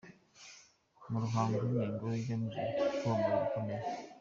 mu Ruhango ni ingoro igamije komora ibikomere.